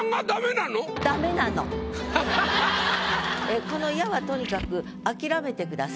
そのこの「や」はとにかく諦めてください。